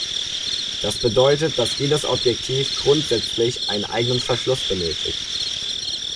Das bedeutet, dass jedes Objektiv grundsätzlich einen eigenen Verschluss benötigt.